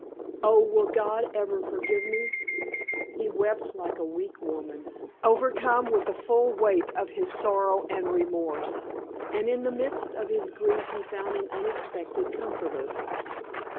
Oh, will God ever forgive me?" He wept like a weak woman, overcome with the full weight of his sorrow and remorse. And in the midst of his grief he found an unexpected comforter.